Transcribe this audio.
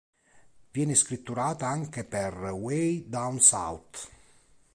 Viene scritturata anche per "Way Down South".